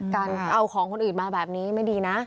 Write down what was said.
การเอาของคนอื่นมาแบบนี้ไม่ดีนะ